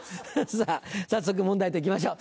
さぁ早速問題と行きましょう。